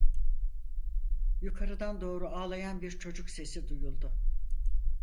Yukarıdan doğru ağlayan bir çocuk sesi duyuldu.